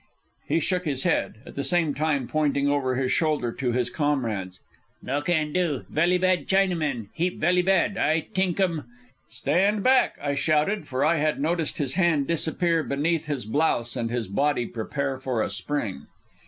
He shook his head, at the same time pointing over his shoulder to his comrades. "No can do. Velly bad Chinamen, heap velly bad. I t'ink um " "Stand back!" I shouted, for I had noticed his hand disappear beneath his blouse and his body prepare for a spring.